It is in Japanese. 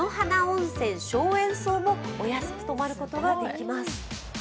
温泉松園荘もお安く泊まることができます。